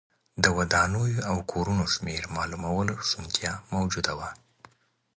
د ودانیو او کورونو شمېر معلومولو شونتیا موجوده وه